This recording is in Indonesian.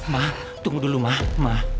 ma tunggu dulu ma